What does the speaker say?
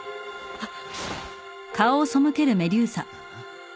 あっ。